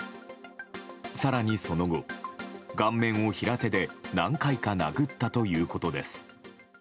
更にその後、顔面を平手で何回か殴ったということです。